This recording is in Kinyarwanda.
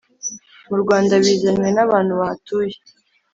mu Rwanda bizanywe n'abantu bahatuye